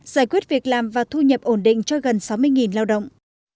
giải quyết việc làm và thu nhập ổn định cho gần sáu mươi lao động